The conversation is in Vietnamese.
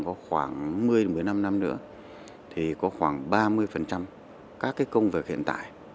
có khoảng một mươi một mươi năm năm nữa thì có khoảng ba mươi các cái công việc hiện tại